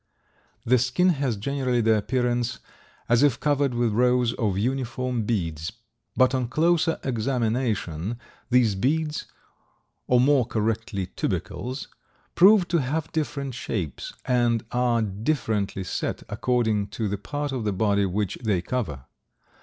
The skin has generally the appearance as if covered with rows of uniform beads; but, on closer examination, these beads, or more correctly, tubercles, prove to have different shapes and are differently set, according to the part of the body which they cover.